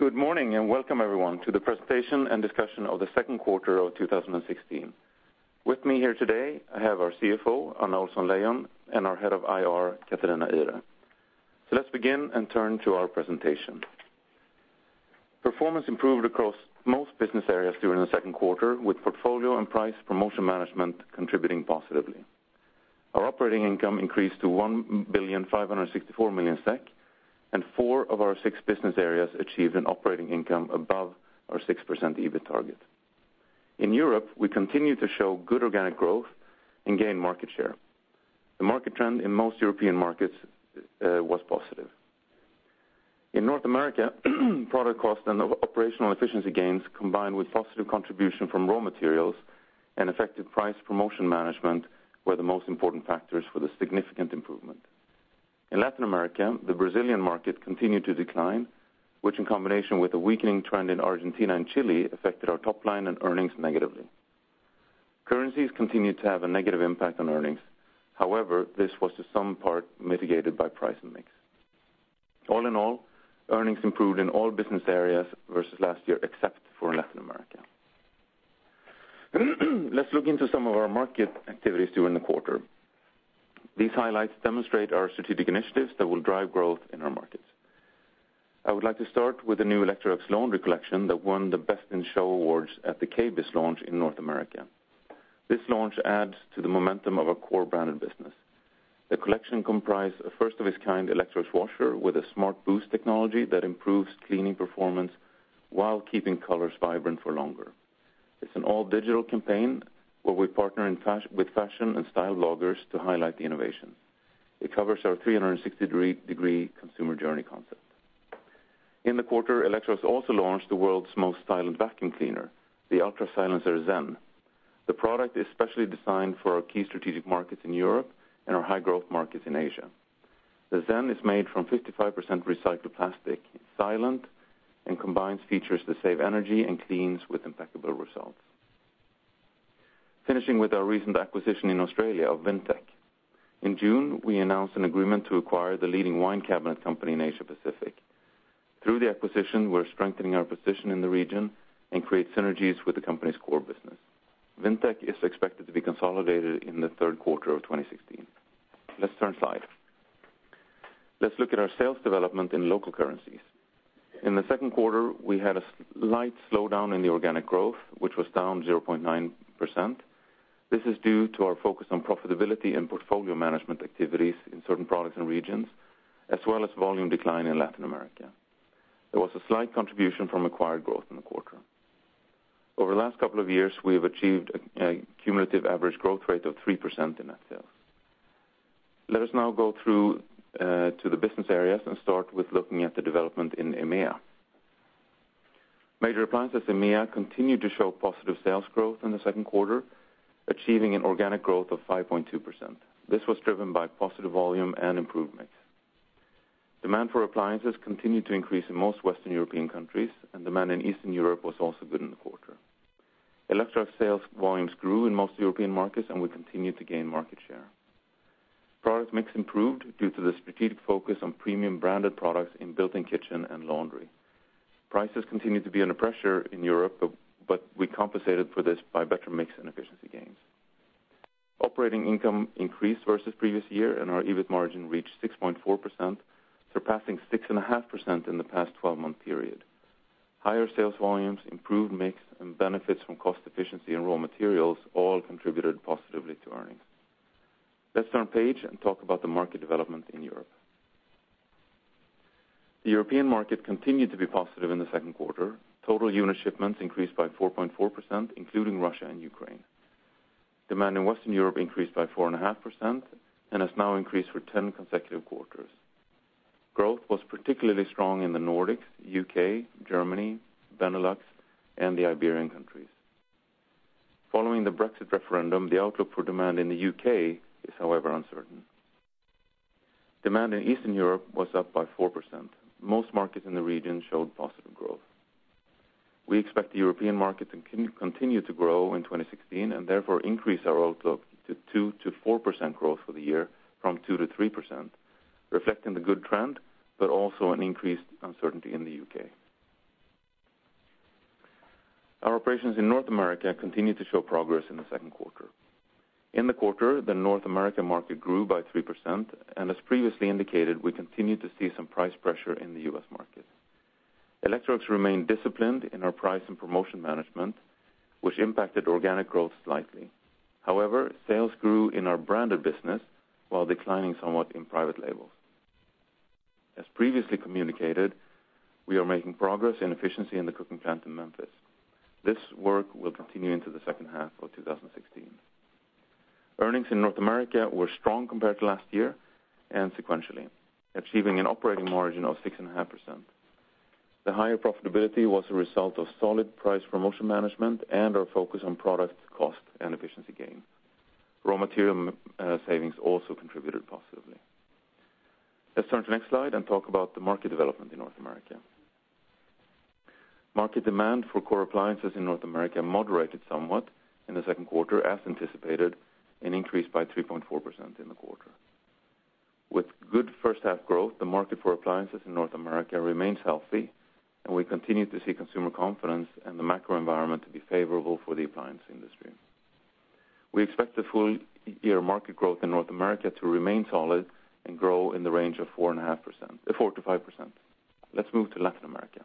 Good morning, and welcome everyone to the presentation and discussion of the Q2 of 2016. With me here today, I have our CFO, Anna Ohlsson-Leijon, and our Head of IR, Catarina Ihre. Let's begin and turn to our presentation. Performance improved across most business areas during the Q2, with portfolio and price promotion management contributing positively. Our operating income increased to 1,564 million SEK, and four of our six business areas achieved an operating income above our 6% EBIT target. In Europe, we continue to show good organic growth and gain market share. The market trend in most European markets was positive. In North America, product cost and operational efficiency gains, combined with positive contribution from raw materials and effective price promotion management, were the most important factors for the significant improvement. In Latin America, the Brazilian market continued to decline, which in combination with a weakening trend in Argentina and Chile, affected our top line and earnings negatively. Currencies continued to have a negative impact on earnings. However, this was to some part mitigated by price and mix. All in all, earnings improved in all business areas versus last year, except for Latin America. Let's look into some of our market activities during the quarter. These highlights demonstrate our strategic initiatives that will drive growth in our markets. I would like to start with the new Electrolux Laundry collection that won the Best in Show awards at the KBIS launch in North America. This launch adds to the momentum of our core branded business. The collection comprise a first of its kind Electrolux washer with a SmartBoost technology that improves cleaning performance while keeping colors vibrant for longer. It's an all-digital campaign, where we partner with fashion and style bloggers to highlight the innovation. It covers our 360-degree consumer journey concept. In the quarter, Electrolux also launched the world's most styled vacuum cleaner, the UltraSilencer Zen. The product is specially designed for our key strategic markets in Europe and our high-growth markets in Asia. The Zen is made from 55% recycled plastic, it's silent, and combines features to save energy and cleans with impeccable results. Finishing with our recent acquisition in Australia of Vintec. In June, we announced an agreement to acquire the leading wine cabinet company in Asia Pacific. Through the acquisition, we're strengthening our position in the region and create synergies with the company's core business. Vintec is expected to be consolidated in the Q3 of 2016. Let's turn side. Let's look at our sales development in local currencies. In the Q2, we had a light slowdown in the organic growth, which was down 0.9%. This is due to our focus on profitability and portfolio management activities in certain products and regions, as well as volume decline in Latin America. There was a slight contribution from acquired growth in the quarter. Over the last couple of years, we have achieved a cumulative average growth rate of 3% in net sales. Let us now go through to the business areas and start with looking at the development in EMEA. Major appliances EMEA continued to show positive sales growth in the Q2, achieving an organic growth of 5.2%. This was driven by positive volume and improvement. Demand for appliances continued to increase in most Western European countries, and demand in Eastern Europe was also good in the quarter. Electrolux sales volumes grew in most European markets, and we continued to gain market share. Product mix improved due to the strategic focus on premium branded products in built-in kitchen and laundry. Prices continued to be under pressure in Europe, but we compensated for this by better mix and efficiency gains. Operating income increased versus previous year, and our EBIT margin reached 6.4%, surpassing 6.5% in the past 12-month period. Higher sales volumes, improved mix, and benefits from cost efficiency and raw materials all contributed positively to earnings. Let's turn page and talk about the market development in Europe. The European market continued to be positive in the Q2. Total unit shipments increased by 4.4%, including Russia and Ukraine. Demand in Western Europe increased by 4.5% and has now increased for 10 consecutive quarters. Growth was particularly strong in the Nordics, U.K., Germany, Benelux, and the Iberian countries. Following the Brexit referendum, the outlook for demand in the U.K. is, however, uncertain. Demand in Eastern Europe was up by 4%. Most markets in the region showed positive growth. We expect the European market to continue to grow in 2016, and therefore increase our outlook to 2%-4% growth for the year from 2%-3%, reflecting the good trend, but also an increased uncertainty in the U.K. Our operations in North America continued to show progress in the Q2. In the quarter, the North American market grew by 3%, and as previously indicated, we continued to see some price pressure in the U.S. market. Electrolux remained disciplined in our price and promotion management, which impacted organic growth slightly. However, sales grew in our branded business while declining somewhat in private labels. As previously communicated, we are making progress in efficiency in the cooking plant in Memphis. This work will continue into the second half of 2016. Earnings in North America were strong compared to last year and sequentially, achieving an operating margin of 6.5%. The higher profitability was a result of solid price promotion management and our focus on product cost and efficiency gain. Raw material savings also contributed positively. Let's turn to the next slide and talk about the market development in North America. Market demand for core appliances in North America moderated somewhat in the second quarter, as anticipated, and increased by 3.4% in the quarter. With good first half growth, the market for appliances in North America remains healthy, and we continue to see consumer confidence and the macro environment to be favorable for the appliance industry. We expect the full year market growth in North America to remain solid and grow in the range of 4%-5%. Let's move to Latin America.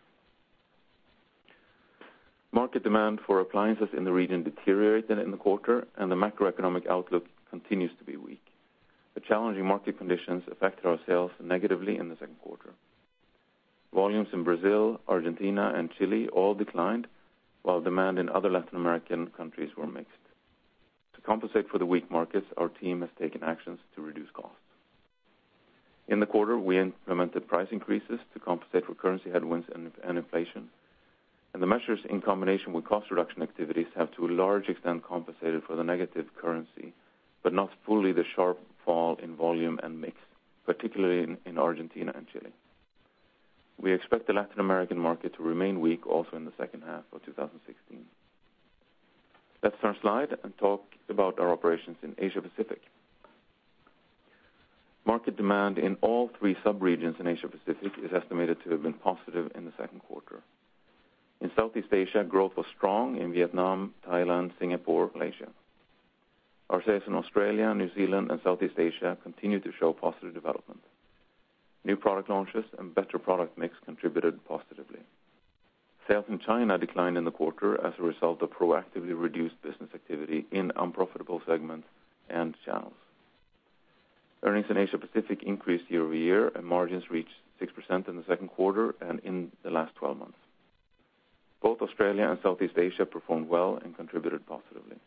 Market demand for appliances in the region deteriorated in the quarter, and the macroeconomic outlook continues to be weak. The challenging market conditions affected our sales negatively in the second quarter. Volumes in Brazil, Argentina, and Chile all declined, while demand in other Latin American countries were mixed. To compensate for the weak markets, our team has taken actions to reduce costs. In the quarter, we implemented price increases to compensate for currency headwinds and inflation. The measures, in combination with cost reduction activities, have to a large extent compensated for the negative currency, but not fully the sharp fall in volume and mix, particularly in Argentina and Chile. We expect the Latin American market to remain weak also in the second half of 2016. Let's turn slide and talk about our operations in Asia Pacific. Market demand in all three sub-regions in Asia Pacific is estimated to have been positive in the second quarter. In Southeast Asia, growth was strong in Vietnam, Thailand, Singapore, Malaysia. Our sales in Australia, New Zealand, and Southeast Asia continued to show positive development. New product launches and better product mix contributed positively. Sales in China declined in the quarter as a result of proactively reduced business activity in unprofitable segments and channels. Earnings in Asia Pacific increased year-over-year, and margins reached 6% in the second quarter and in the last 12 months. Both Australia and Southeast Asia performed well and contributed positively.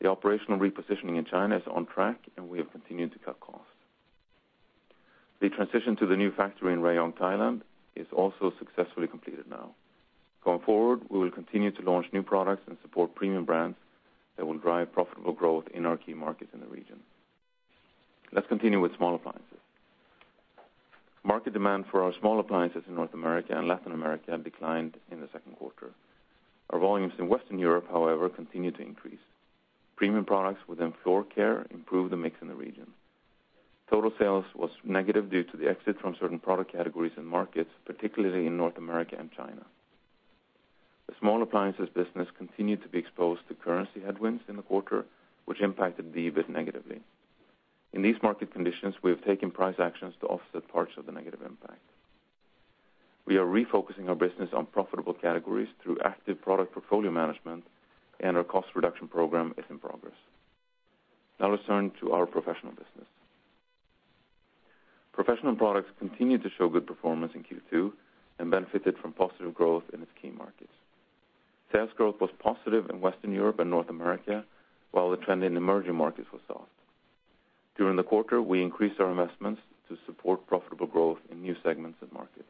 The operational repositioning in China is on track, and we have continued to cut costs. The transition to the new factory in Rayong, Thailand, is also successfully completed now. Going forward, we will continue to launch new products and support premium brands that will drive profitable growth in our key markets in the region. Let's continue with small appliances. Market demand for our small appliances in North America and Latin America declined in the Q2. Our volumes in Western Europe, however, continued to increase. Premium products within floor care improved the mix in the region. Total sales was negative due to the exit from certain product categories and markets, particularly in North America and China. The small appliances business continued to be exposed to currency headwinds in the quarter, which impacted the EBIT negatively. In these market conditions, we have taken price actions to offset parts of the negative impact. We are refocusing our business on profitable categories through active product portfolio management. Our cost reduction program is in progress. Let's turn to our professional business. Professional products continued to show good performance in Q2 and benefited from positive growth in its key markets. Sales growth was positive in Western Europe and North America, while the trend in emerging markets was soft. During the quarter, we increased our investments to support profitable growth in new segments and markets.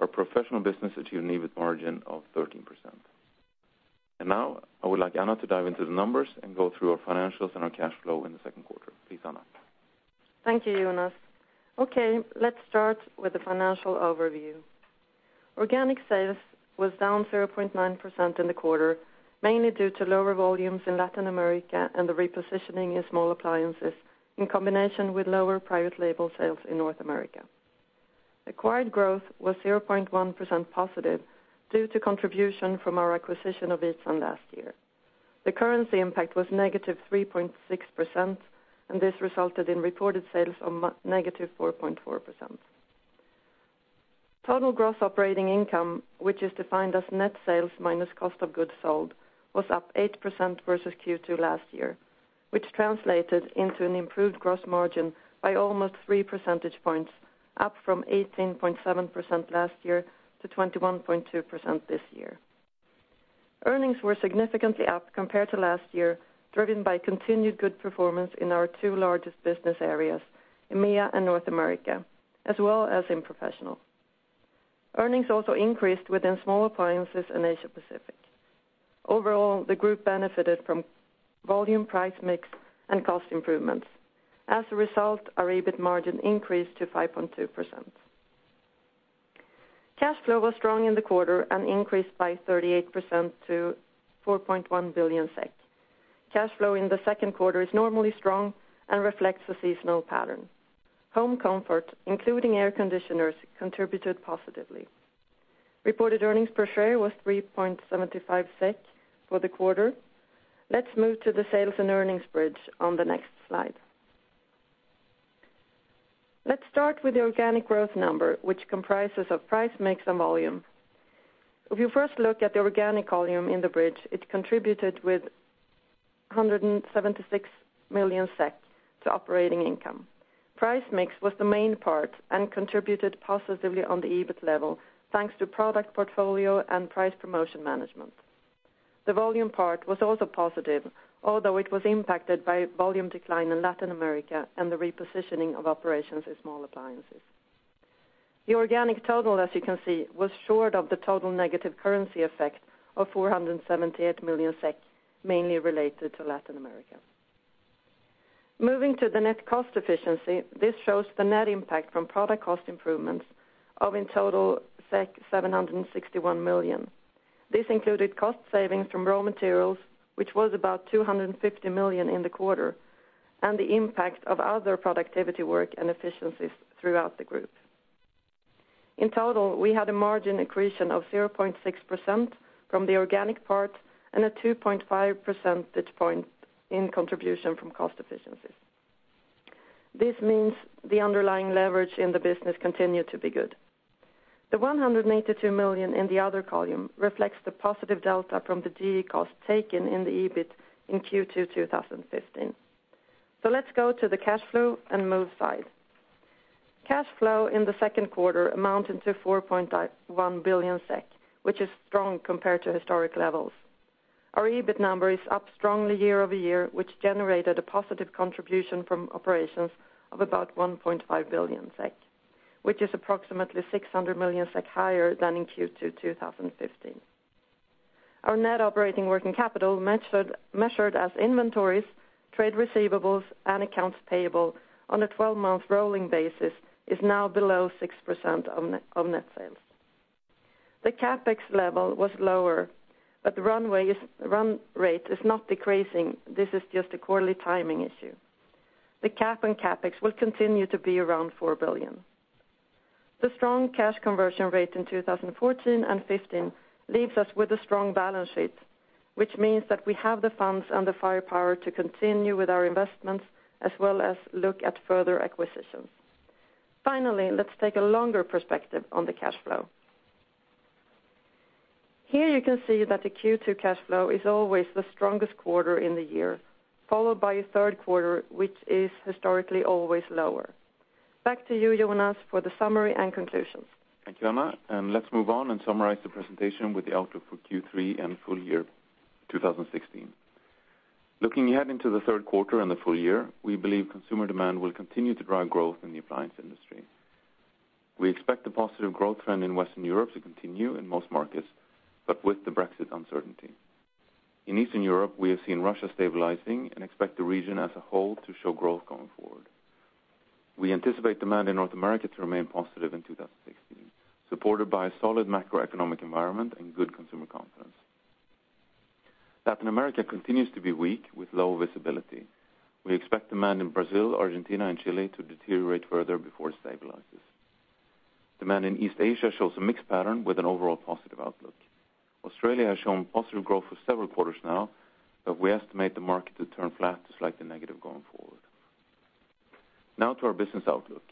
Our professional business achieved an EBIT margin of 13%. Now, I would like Anna to dive into the numbers and go through our financials and our cash flow in the second quarter. Please, Anna. Thank you, Jonas. Okay, let's start with the financial overview. Organic sales was down 0.9% in the quarter, mainly due to lower volumes in Latin America and the repositioning in small appliances, in combination with lower private label sales in North America. Acquired growth was 0.1% positive due to contribution from our acquisition of E-tan last year. The currency impact was -3.6%, and this resulted in reported sales of -4.4%. Total gross operating income, which is defined as net sales minus cost of goods sold, was up 8% versus Q2 last year, which translated into an improved gross margin by almost 3 percentage points, up from 18.7% last year to 21.2% this year. Earnings were significantly up compared to last year, driven by continued good performance in our two largest business areas, EMEA and North America, as well as in professional. Earnings also increased within small appliances in Asia Pacific. Overall, the group benefited from volume, price, mix, and cost improvements. As a result, our EBIT margin increased to 5.2%. Cash flow was strong in the quarter and increased by 38% to 4.1 billion SEK. Cash flow in the second quarter is normally strong and reflects a seasonal pattern. Home comfort, including air conditioners, contributed positively. Reported earnings per share was 3.75 SEK for the quarter. Let's move to the sales and earnings bridge on the next slide. Let's start with the organic growth number, which comprises of price, mix, and volume. If you first look at the organic volume in the bridge, it contributed with 176 million SEK to operating income. Price mix was the main part and contributed positively on the EBIT level, thanks to product portfolio and price promotion management. The volume part was also positive, although it was impacted by volume decline in Latin America and the repositioning of operations in small appliances. The organic total, as you can see, was short of the total negative currency effect of 478 million SEK, mainly related to Latin America. Moving to the net cost efficiency, this shows the net impact from product cost improvements of in total 761 million. This included cost savings from raw materials, which was about 250 million in the quarter, and the impact of other productivity work and efficiencies throughout the group. In total, we had a margin accretion of 0.6% from the organic part and a 2.5 percentage points in contribution from cost efficiencies. This means the underlying leverage in the business continued to be good. The 182 million in the other column reflects the positive delta from the GE cost taken in the EBIT in Q2 2015. Let's go to the cash flow and move side. Cash flow in the second quarter amounted to 4.1 billion SEK, which is strong compared to historic levels. Our EBIT number is up strongly year-over-year, which generated a positive contribution from operations of about 1.5 billion SEK, which is approximately 600 million SEK higher than in Q2 2015. Our net operating working capital measured as inventories, trade receivables, and accounts payable on a 12-month rolling basis, is now below 6% of net sales. The CapEx level was lower, the run rate is not decreasing. This is just a quarterly timing issue. The cap on CapEx will continue to be around 4 billion. The strong cash conversion rate in 2014 and 2015 leaves us with a strong balance sheet, which means that we have the funds and the firepower to continue with our investments as well as look at further acquisitions. Let's take a longer perspective on the cash flow. You can see that the Q2 cash flow is always the strongest quarter in the year, followed by a third quarter, which is historically always lower. Back to you, Jonas, for the summary and conclusions. Thank you, Anna. Let's move on and summarize the presentation with the outlook for Q3 and full year 2016. Looking ahead into the third quarter and the full year, we believe consumer demand will continue to drive growth in the appliance industry. We expect the positive growth trend in Western Europe to continue in most markets, but with the Brexit uncertainty. In Eastern Europe, we have seen Russia stabilizing and expect the region as a whole to show growth going forward. We anticipate demand in North America to remain positive in 2016, supported by a solid macroeconomic environment and good consumer confidence. Latin America continues to be weak with low visibility. We expect demand in Brazil, Argentina, and Chile to deteriorate further before it stabilizes. Demand in East Asia shows a mixed pattern with an overall positive outlook. Australia has shown positive growth for several quarters now. We estimate the market to turn flat to slightly negative going forward. To our business outlook.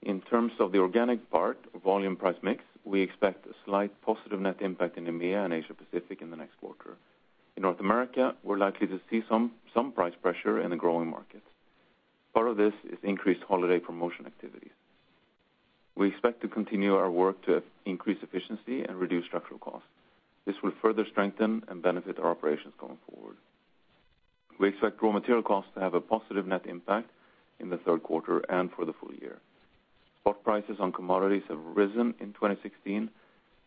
In terms of the organic part, volume price mix, we expect a slight positive net impact in EMEA and Asia Pacific in the next quarter. In North America, we're likely to see some price pressure in the growing markets. Part of this is increased holiday promotion activities. We expect to continue our work to increase efficiency and reduce structural costs. This will further strengthen and benefit our operations going forward. We expect raw material costs to have a positive net impact in the Q3 and for the full year. Spot prices on commodities have risen in 2016,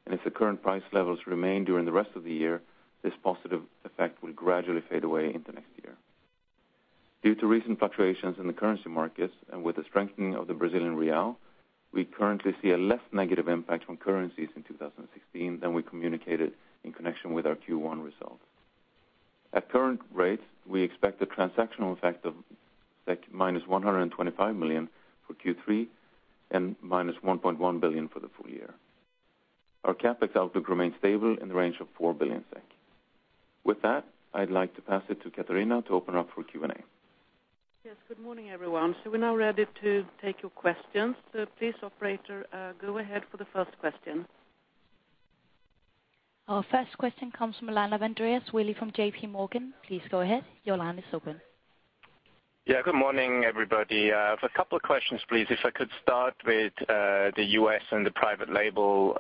and if the current price levels remain during the rest of the year, this positive effect will gradually fade away into next year. Due to recent fluctuations in the currency markets and with the strengthening of the Brazilian real, we currently see a less negative impact from currencies in 2016 than we communicated in connection with our Q1 results. At current rates, we expect a transactional effect of -125 million for Q3 and -1.1 billion for the full year. Our CapEx outlook remains stable in the range of 4 billion SEK. With that, I'd like to pass it to Catarina to open up for Q&A. Yes, good morning, everyone. We're now ready to take your questions. Please, operator, go ahead for the first question. Our first question comes from Andreas Willi from JPMorgan. Please go ahead. Your line is open. Yeah, good morning, everybody. I have a couple of questions, please. If I could start with the U.S. and the private label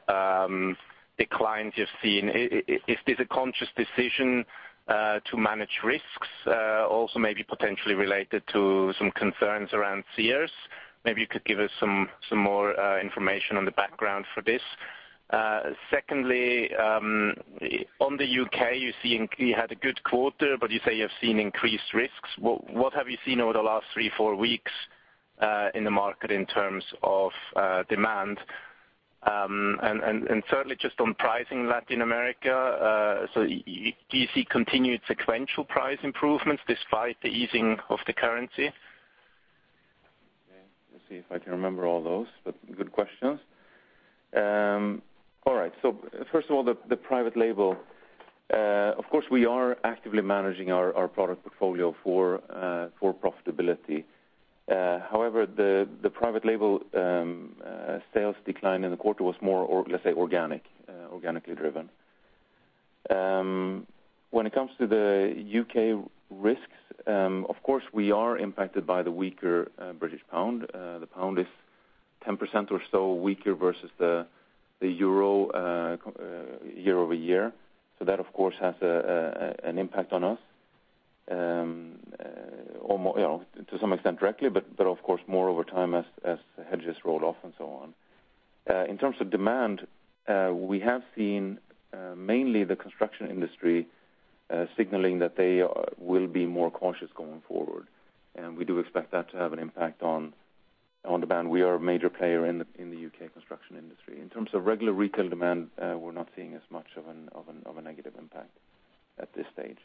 declines you've seen. Is this a conscious decision to manage risks, also maybe potentially related to some concerns around Sears? Maybe you could give us some more information on the background for this. Secondly, on the U.K., you had a good quarter, but you say you've seen increased risks. What have you seen over the last three, four weeks in the market in terms of demand? Thirdly, just on pricing in Latin America, do you see continued sequential price improvements despite the easing of the currency? Okay, let's see if I can remember all those, good questions. All right. First of all, the private label. Of course, we are actively managing our product portfolio for profitability. However, the private label sales decline in the quarter was more let's say, organic, organically driven. When it comes to the U.K. risks, of course, we are impacted by the weaker British pound. The pound is 10% or so weaker versus the euro year-over-year. That, of course, has an impact on us or more, you know, to some extent directly, but of course, more over time as the hedges roll off and so on. In terms of demand, we have seen mainly the construction industry signaling that they will be more cautious going forward, and we do expect that to have an impact on demand. We are a major player in the U.K. construction industry. In terms of regular retail demand, we're not seeing as much of a negative impact at this stage.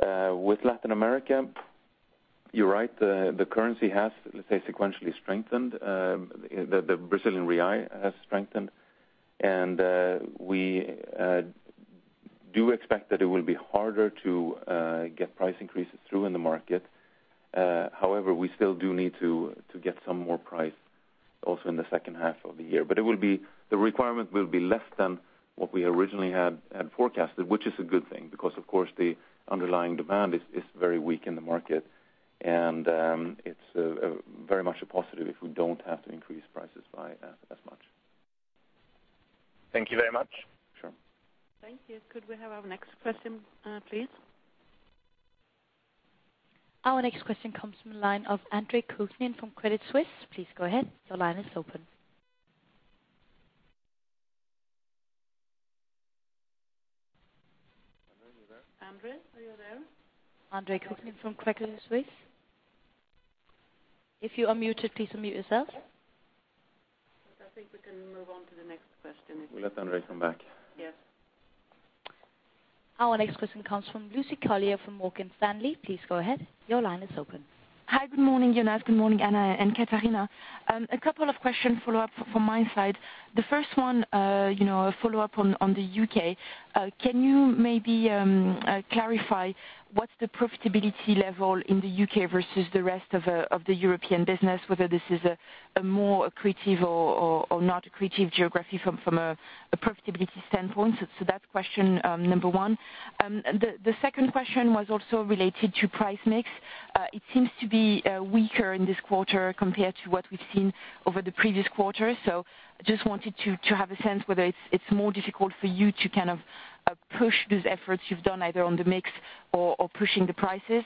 With Latin America, you're right, the currency has, let's say, sequentially strengthened, the Brazilian real has strengthened, and we do expect that it will be harder to get price increases through in the market. However, we still do need to get some more price also in the second half of the year. The requirement will be less than what we originally had forecasted, which is a good thing, because, of course, the underlying demand is very weak in the market. It's a very much a positive if we don't have to increase prices by as much. Thank you very much. Sure. Thank you. Could we have our next question, please? Our next question comes from the line of Andre Kukhnin from Credit Suisse. Please go ahead, your line is open. Andre, are you there? Andre Kukhnin from Credit Suisse? If you are muted, please unmute yourself. I think we can move on to the next question. We'll let Andre come back. Yes. Our next question comes from Lucie Carrier from Morgan Stanley. Please go ahead, your line is open. Hi, good morning, Jonas. Good morning, Anna and Catarina. A couple of questions follow up from my side. The first one, you know, a follow-up on the UK. Can you maybe clarify what's the profitability level in the UK versus the rest of the European business, whether this is a more accretive or not accretive geography from a profitability standpoint? That's question number one. The second question was also related to price mix. It seems to be weaker in this quarter compared to what we've seen over the previous quarter. Just wanted to have a sense whether it's more difficult for you to kind of push these efforts you've done, either on the mix or pushing the prices.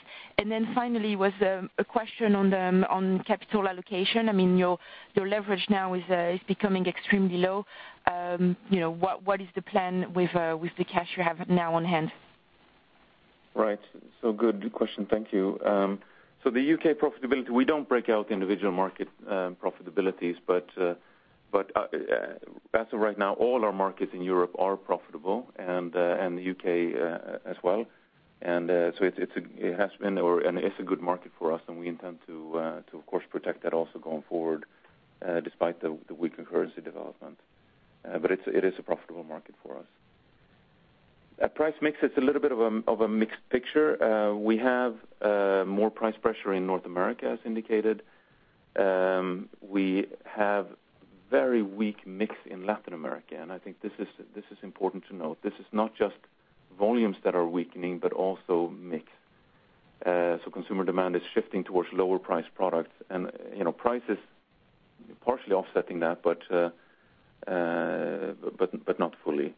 Finally, was a question on capital allocation. I mean, your leverage now is becoming extremely low. You know, what is the plan with the cash you have now on hand? Right. Good question. Thank you. The U.K. profitability, we don't break out the individual market profitabilities, but as of right now, all our markets in Europe are profitable, and the U.K. as well. It's has been or, and it's a good market for us, and we intend to, of course, protect that also going forward despite the weaker currency development. It's a profitable market for us. At price mix, it's a little bit of a mixed picture. We have more price pressure in North America, as indicated. We have very weak mix in Latin America, and I think this is important to note. This is not just volumes that are weakening, but also mix. Consumer demand is shifting towards lower priced products and, you know, prices partially offsetting that, but not fully.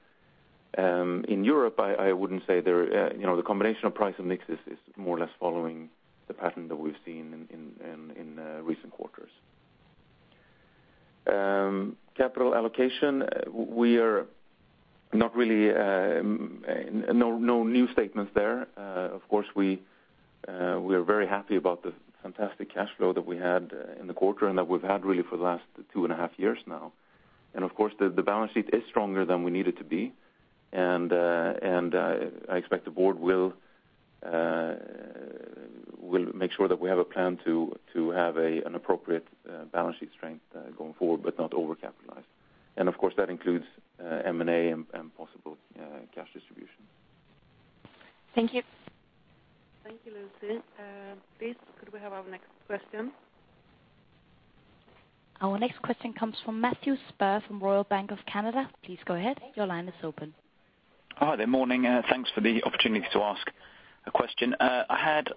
In Europe, I wouldn't say there, you know, the combination of price and mix is more or less following the pattern that we've seen in recent quarters. Capital allocation, we are not really, no new statements there. Of course, we are very happy about the fantastic cash flow that we had in the quarter and that we've had really for the last two and a half years years now. Of course, the balance sheet is stronger than we need it to be. I expect the Board will make sure that we have a plan to have an appropriate balance sheet strength, going forward, but not overcapitalized. Of course, that includes M&A and possible cash distribution. Thank you. Thank you, Lucy. Please, could we have our next question? Our next question comes from Matthew Spurr from Royal Bank of Canada. Please go ahead. Your line is open. Hi there. Morning, thanks for the opportunity to ask a question. I had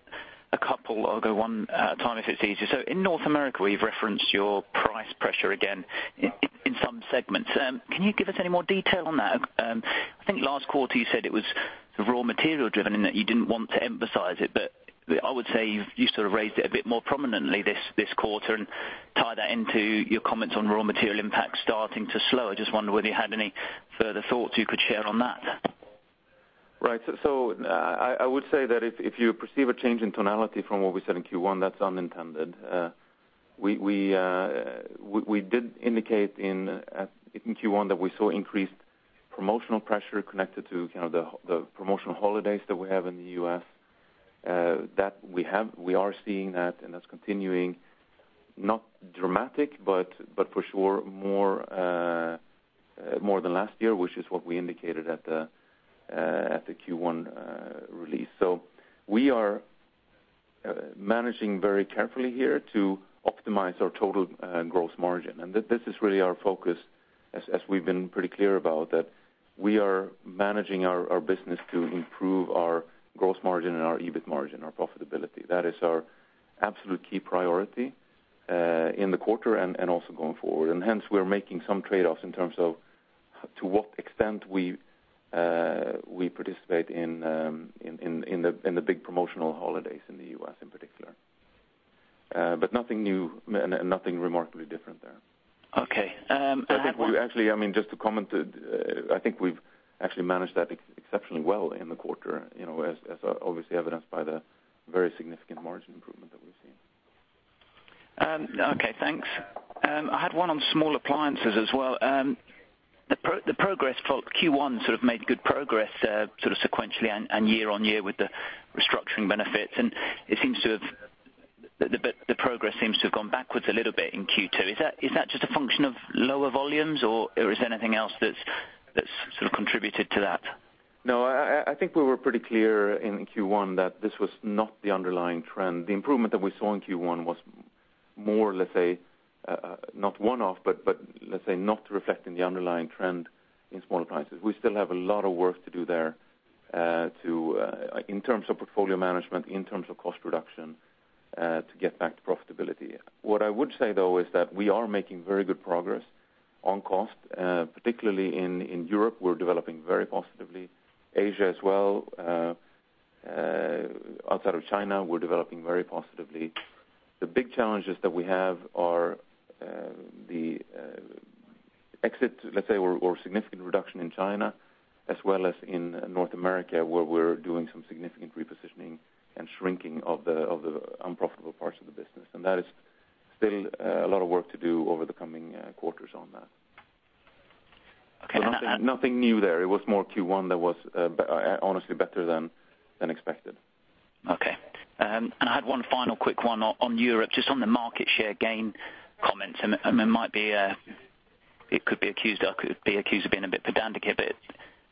a couple. I'll go one at a time if it's easier. In North America, you've referenced your price pressure again in some segments. Can you give us any more detail on that? I think last quarter you said it was raw material driven and that you didn't want to emphasize it, but I would say you've sort of raised it a bit more prominently this quarter, and tie that into your comments on raw material impact starting to slow. I just wondered whether you had any further thoughts you could share on that. Right. I would say that if you perceive a change in tonality from what we said in Q1, that's unintended. We did indicate in Q1 that we saw increased promotional pressure connected to kind of the promotional holidays that we have in the U.S., that we are seeing that, and that's continuing. Not dramatic, but for sure, more than last year, which is what we indicated at the Q1 release. We are managing very carefully here to optimize our total gross margin. This is really our focus, as we've been pretty clear about, that we are managing our business to improve our gross margin and our EBIT margin, our profitability. That is our absolute key priority, in the quarter and also going forward. Hence, we are making some trade-offs in terms of to what extent we participate in the big promotional holidays in the U.S. in particular. Nothing new and nothing remarkably different there. Okay, I have. I think we actually, I mean, just to comment, I think we've actually managed that exceptionally well in the quarter, you know, as obviously evidenced by the very significant margin improvement that we've seen. Okay, thanks. I had one on small appliances as well. The progress for Q1 sort of made good progress, sort of sequentially and year-on-year with the restructuring benefits. But the progress seems to have gone backwards a little bit in Q2. Is that just a function of lower volumes, or is there anything else that's sort of contributed to that? No, I think we were pretty clear in Q1 that this was not the underlying trend. The improvement that we saw in Q1 was more, let's say, not one-off, but let's say, not reflecting the underlying trend in small appliances. We still have a lot of work to do there, in terms of portfolio management, in terms of cost reduction, to get back to profitability. What I would say, though, is that we are making very good progress on cost, particularly in Europe, we're developing very positively. Asia as well, outside of China, we're developing very positively. The big challenges that we have are the exit, let's say, or significant reduction in China, as well as in North America, where we're doing some significant repositioning and shrinking of the unprofitable parts of the business. That is still a lot of work to do over the coming quarters on that. Okay. Nothing new there. It was more Q1 that was honestly better than expected. Okay. I had one final quick one on Europe, just on the market share gain comments. I could be accused of being a bit pedantic here, but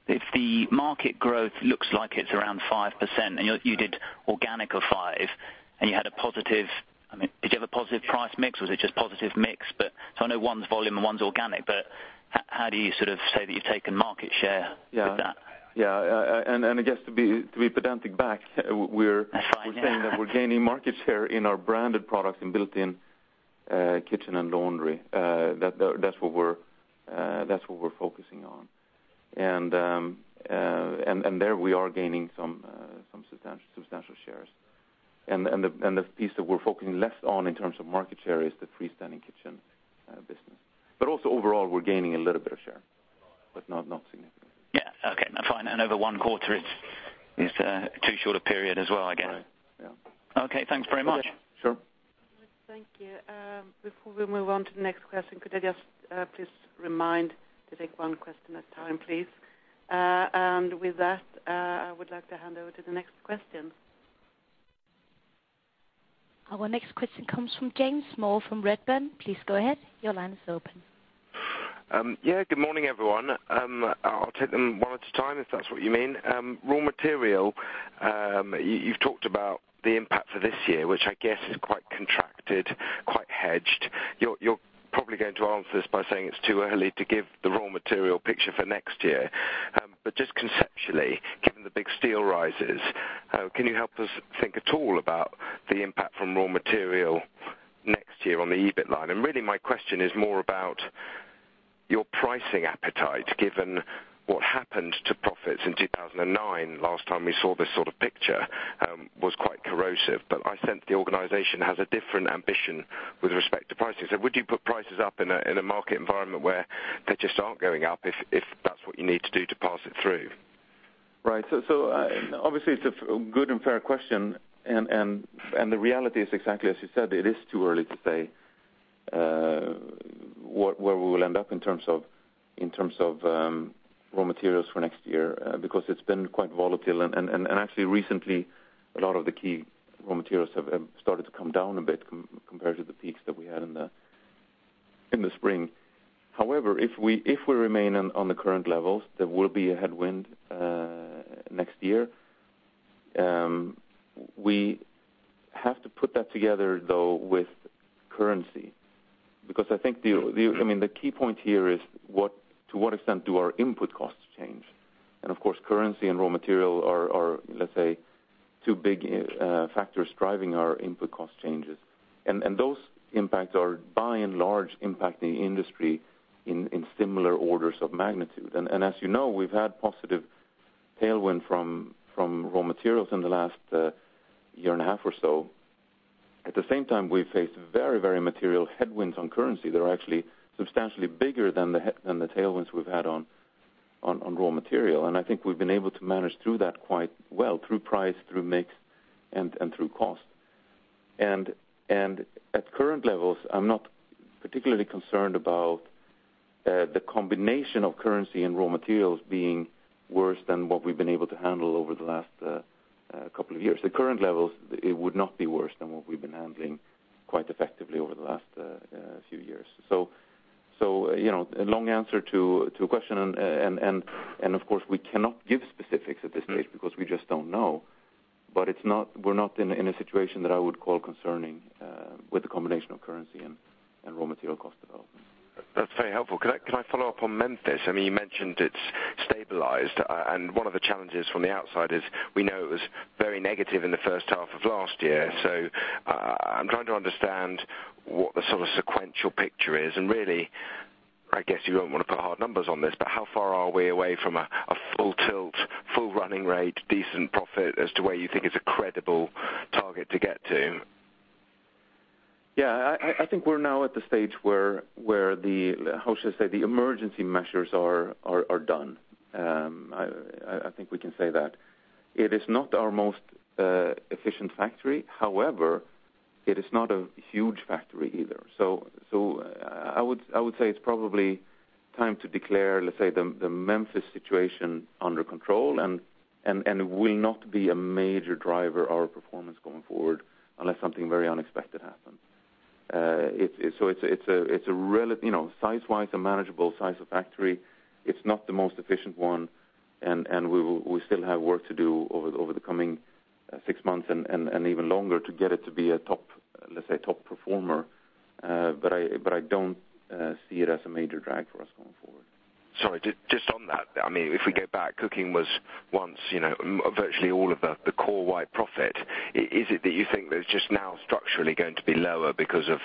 if the market growth looks like it's around 5%, and you did organic of five, and you had a positive, I mean, did you have a positive price mix, or was it just positive mix? I know one's volume and one's organic, but how do you sort of say that you've taken market share with that? Yeah, and I guess to be pedantic back. That's fine. Yeah. We're saying that we're gaining market share in our branded products, in built-in, kitchen and laundry. That's what we're focusing on. There we are gaining some substantial shares. The piece that we're focusing less on in terms of market share is the freestanding kitchen business. Also overall, we're gaining a little bit of share, but not significantly. Yeah. Okay, fine. Over one quarter, it's too short a period as well, I guess. Right. Yeah. Okay, thanks very much. Sure. Thank you. Before we move on to the next question, could I just please remind to take one question at a time, please? With that, I would like to hand over to the next question. Our next question comes from James Moore from Redburn. Please go ahead. Your line is open. Yeah, good morning, everyone. I'll take them one at a time, if that's what you mean. Raw material, you've talked about the impact for this year, which I guess is quite contracted, quite hedged. You're probably going to answer this by saying it's too early to give the raw material picture for next year. Just conceptually, given the big steel rises, can you help us think at all about the impact from raw material next year on the EBIT line? Really, my question is more about your pricing appetite, given what happened to profits in 2009, last time we saw this sort of picture, was quite corrosive. I sense the organization has a different ambition with respect to pricing. Would you put prices up in a market environment where they just aren't going up, if that's what you need to do to pass it through? Right. Obviously, it's a good and fair question, and the reality is exactly as you said, it is too early to say where we will end up in terms of raw materials for next year, because it's been quite volatile. Actually recently, a lot of the key raw materials have started to come down a bit compared to the peaks that we had in the spring. If we remain on the current levels, there will be a headwind next year. We have to put that together, though, with currency, because I think the key point here is to what extent do our input costs change? Of course, currency and raw material are, let's say, two big factors driving our input cost changes. Those impacts are by and large, impacting the industry in similar orders of magnitude. As you know, we've had positive tailwind from raw materials in the last year and a half or so. At the same time, we've faced very material headwinds on currency that are actually substantially bigger than the tailwinds we've had on raw material. I think we've been able to manage through that quite well, through price, through mix, and through cost. At current levels, I'm not particularly concerned about the combination of currency and raw materials being worse than what we've been able to handle over the last couple of years. The current levels, it would not be worse than what we've been handling quite effectively over the last, few years. You know, a long answer to a question and of course, we cannot give specifics at this stage because we just don't know. We're not in a, in a situation that I would call concerning, with the combination of currency and raw material cost development. That's very helpful. Can I follow up on Memphis? I mean, you mentioned it's stabilized, and one of the challenges from the outside is we know it was very negative in the first half of last year. I'm trying to understand what the sort of sequential picture is, and really, I guess you won't want to put hard numbers on this, but how far are we away from a full tilt, full running rate, decent profit as to where you think it's a credible target to get to? Yeah, I think we're now at the stage where, how should I say, the emergency measures are done. I think we can say that. It is not our most efficient factory. However, it is not a huge factory either. I would say it's probably time to declare, let's say, the Memphis situation under control, and will not be a major driver of our performance going forward unless something very unexpected happens. It's a real, you know, size-wise, a manageable size of factory. It's not the most efficient one. We still have work to do over the coming six months and even longer to get it to be a top, let's say, a top performer. I don't see it as a major drag for us going forward. Sorry, just on that. I mean, if we go back, cooking was once, you know, virtually all about the core white profit. Is it that you think that it's just now structurally going to be lower because of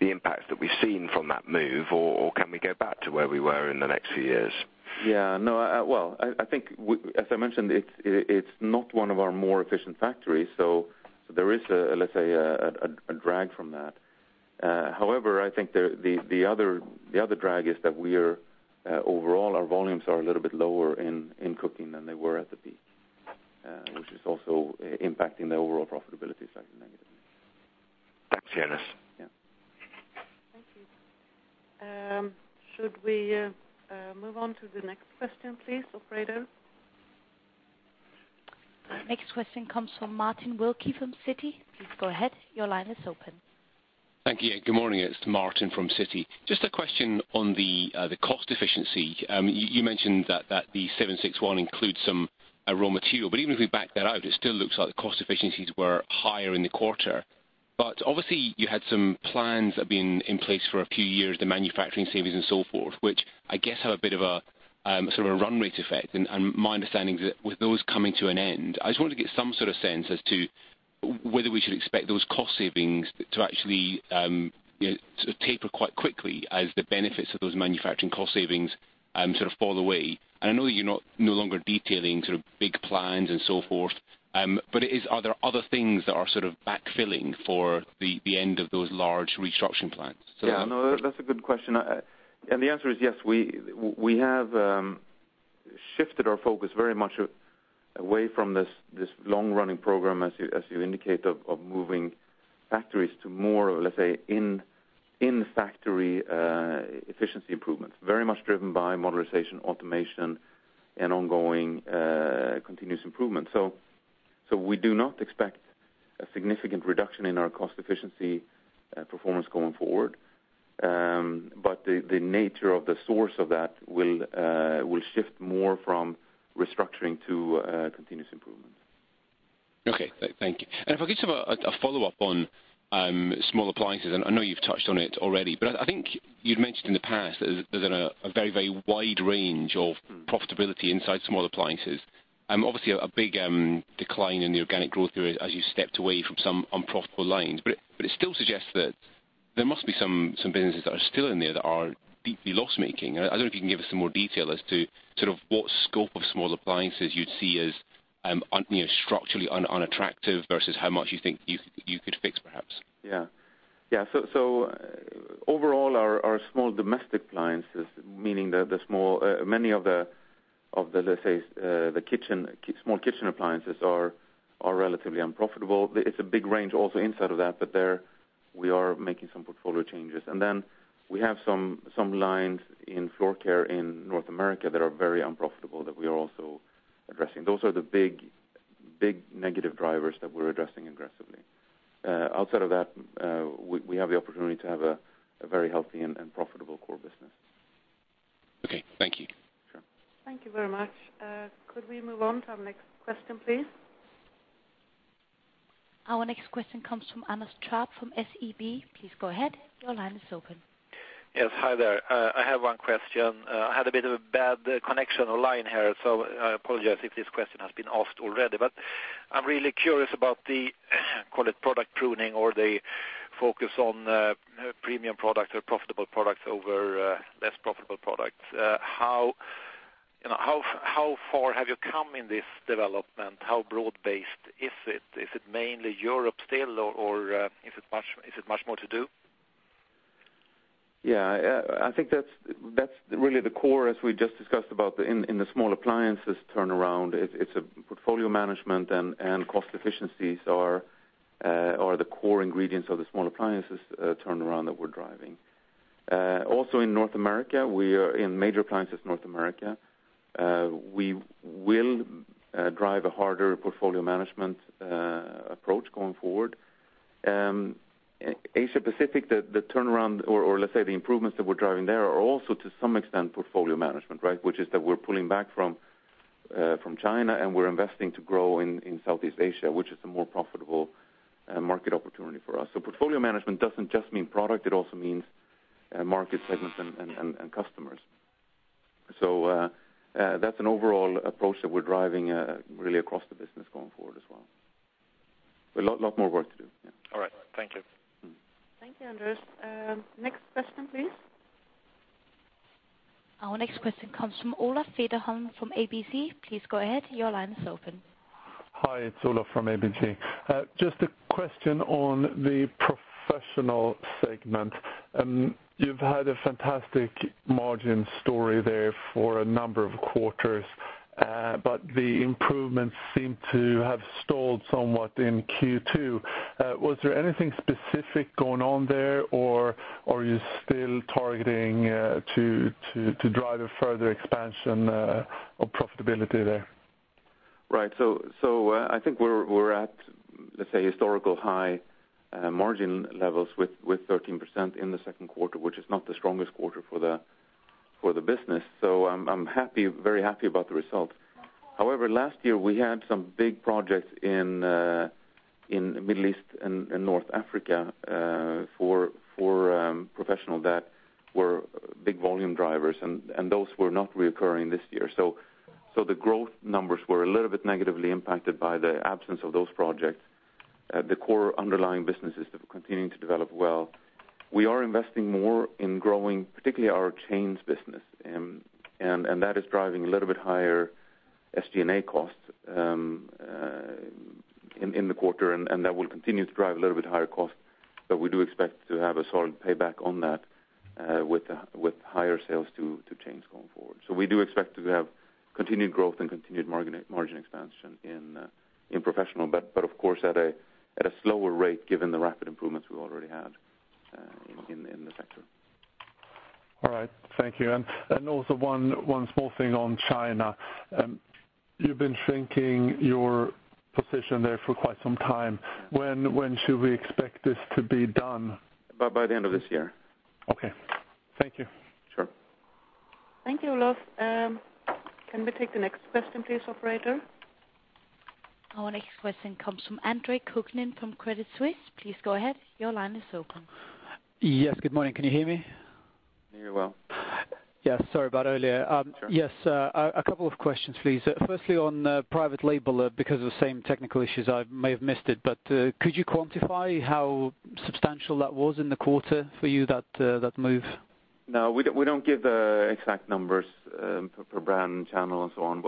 the impact that we've seen from that move, or can we go back to where we were in the next few years? No, well, I think as I mentioned, it's not one of our more efficient factories. There is a, let's say, a drag from that. However, I think the other drag is that we are overall, our volumes are a little bit lower in cooking than they were at the peak, which is also impacting the overall profitability slightly negatively. See you on this. Yeah. Thank you. Should we move on to the next question, please, operator? Next question comes from Martin Wilkie from Citi. Please go ahead. Your line is open. Thank you. Good morning, it's Martin from Citi. Just a question on the cost efficiency. You mentioned that the 761 includes some raw material, but even if we back that out, it still looks like the cost efficiencies were higher in the quarter. Obviously, you had some plans that have been in place for a few years, the manufacturing savings and so forth, which I guess have a bit of a sort of a run rate effect. My understanding is that with those coming to an end, I just wanted to get some sort of sense as to whether we should expect those cost savings to actually, you know, sort of taper quite quickly as the benefits of those manufacturing cost savings sort of fall away. I know you're not no longer detailing sort of big plans and so forth, but are there other things that are sort of backfilling for the end of those large restructuring plans? Yeah, no, that's a good question. The answer is yes. We have shifted our focus very much away from this long-running program, as you indicate, of moving factories to more, let's say, in-factory efficiency improvements, very much driven by modernization, automation, and ongoing continuous improvement. We do not expect a significant reduction in our cost efficiency performance going forward. The nature of the source of that will shift more from restructuring to continuous improvement. Okay, thank you. If I could just have a follow-up on small appliances, and I know you've touched on it already, but I think you'd mentioned in the past that there's a very, very wide range of profitability inside small appliances. Obviously a big decline in the organic growth rate as you stepped away from some unprofitable lines. It still suggests that there must be some businesses that are still in there that are deeply loss-making. I don't know if you can give us some more detail as to sort of what scope of small appliances you'd see as, you know, structurally unattractive versus how much you think you could fix, perhaps. Yeah. Overall, our small domestic appliances, meaning many of the, let's say, the kitchen, small kitchen appliances are relatively unprofitable. It's a big range also inside of that, but there we are making some portfolio changes. Then we have some lines in floor care in North America that are very unprofitable that we are also addressing. Those are the big negative drivers that we're addressing aggressively. Outside of that, we have the opportunity to have a very healthy and profitable core business. Okay, thank you. Sure. Thank you very much. Could we move on to our next question, please? Our next question comes from Anders Trapp from SEB. Please go ahead. Your line is open. Yes, hi there. I have one question. I had a bit of a bad connection online here, so I apologize if this question has been asked already, I'm really curious about the, call it, product pruning or the focus on premium product or profitable products over less profitable products. How, you know, how far have you come in this development? How broad-based is it? Is it mainly Europe still, or is it much more to do? Yeah, I think that's really the core, as we just discussed, about in the small appliances turnaround. It's a portfolio management and cost efficiencies are the core ingredients of the small appliances turnaround that we're driving. Also in North America, we are in major appliances North America, we will drive a harder portfolio management approach going forward. Asia Pacific, the turnaround or let's say the improvements that we're driving there are also, to some extent, portfolio management, right? Which is that we're pulling back from China, and we're investing to grow in Southeast Asia, which is a more profitable market opportunity for us. Portfolio management doesn't just mean product, it also means market segments and customers. That's an overall approach that we're driving, really across the business going forward as well. A lot more work to do, yeah. All right. Thank you. Mm-hmm. Thank you, Anders. Next question, please. Our next question comes from Olaf Sterud from ABG. Please go ahead. Your line is open. Hi, it's Olaf from ABG. Just a question on the professional segment. You've had a fantastic margin story there for a number of quarters, but the improvements seem to have stalled somewhat in Q2. Was there anything specific going on there, or are you still targeting to drive a further expansion of profitability there? Right. I think we're at, let's say, historical high margin levels with 13% in the second quarter, which is not the strongest quarter for the business. I'm happy, very happy about the result. However, last year we had some big projects in Middle East and North Africa for professional that were big volume drivers, and those were not reoccurring this year. The growth numbers were a little bit negatively impacted by the absence of those projects. The core underlying businesses are continuing to develop well. We are investing more in growing, particularly our chains business, and that is driving a little bit higher SG&A costs in the quarter, and that will continue to drive a little bit higher costs, but we do expect to have a solid payback on that with higher sales to chains going forward. We do expect to have continued growth and continued margin expansion in professional, but of course, at a slower rate, given the rapid improvements we already had in the sector. All right. Thank you. Also one small thing on China. You've been shrinking your position there for quite some time. When should we expect this to be done? By the end of this year. Okay. Thank you. Sure. Thank you, Olaf. Can we take the next question, please, operator? Our next question comes from Andre Kukhnin from Credit Suisse. Please go ahead. Your line is open. Yes, good morning. Can you hear me? Very well. Yeah, sorry about earlier. Sure. Yes, a couple of questions, please. Firstly, on, private label, because of the same technical issues, I may have missed it, but could you quantify how substantial that was in the quarter for you, that move? No, we don't, we don't give exact numbers per brand, channel, and so on.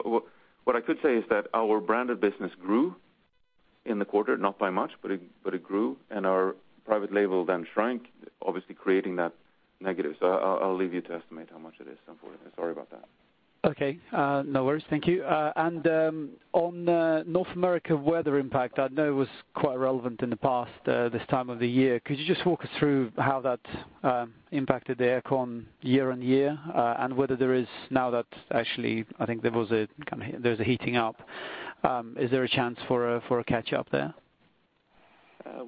What I could say is that our branded business grew in the quarter, not by much, but it grew, and our private label then shrank, obviously creating that negative. I'll leave you to estimate how much it is important. Sorry about that. Okay, no worries. Thank you. On North America weather impact, I know it was quite relevant in the past, this time of the year. Could you just walk us through how that impacted the air con year-on-year? Whether there is now that actually, I think there's a heating up, is there a chance for a catch-up there?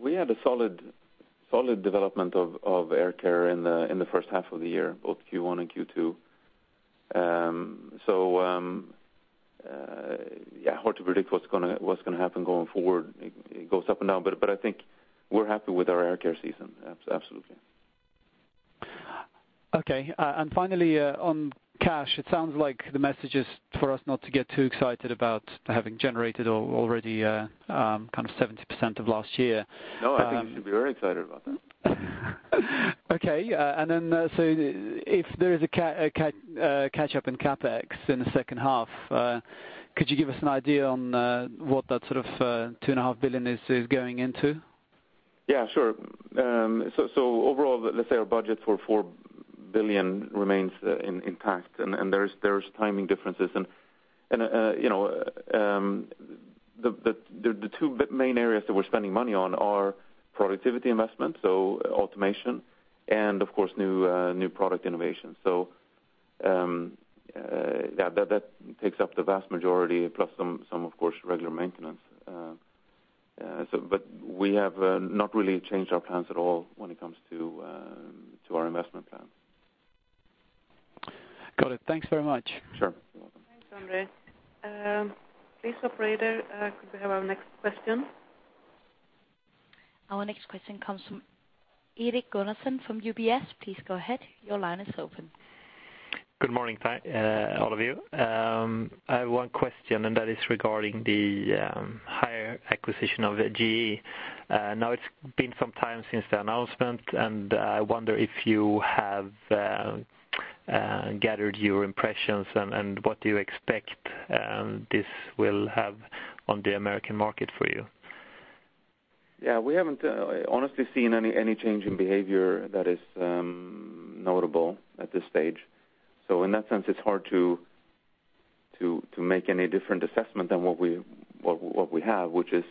We had a solid development of air care in the first half of the year, both Q1 and Q2. Yeah, hard to predict what's gonna happen going forward. It goes up and down. I think we're happy with our air care season, absolutely. Okay. Finally, on cash, it sounds like the message is for us not to get too excited about having generated already, kind of 70% of last year. No, I think you should be very excited about that. Okay, if there is a catch up in CapEx in the second half, could you give us an idea on what that sort of 2.5 billion is going into? Yeah, sure. Overall, let's say our budget for 4 billion remains intact, and there's timing differences. You know, the two main areas that we're spending money on are productivity investment, so automation, and of course, new product innovation. That takes up the vast majority, plus some, of course, regular maintenance. We have not really changed our plans at all when it comes to our investment plan. Got it. Thanks very much. Sure. You're welcome. Thanks, Andre. Please, operator, could we have our next question? Our next question comes from Erik Gunnarsson from UBS. Please go ahead. Your line is open. Good morning, all of you. I have one question, and that is regarding the Haier acquisition of GE. Now it's been some time since the announcement, and I wonder if you have gathered your impressions and what do you expect this will have on the American market for you? We haven't honestly seen any change in behavior that is notable at this stage. In that sense, it's hard to make any different assessment than what we have, which is